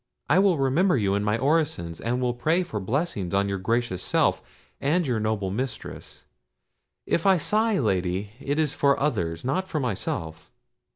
I will remember you in my orisons, and will pray for blessings on your gracious self and your noble mistress—if I sigh, Lady, it is for others, not for myself."